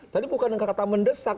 tadi bukan kata mendesak